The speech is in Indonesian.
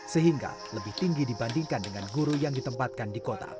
sehingga lebih tinggi dibandingkan dengan guru yang ditempatkan di kota